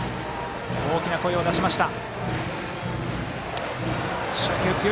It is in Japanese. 大きな声を出しました。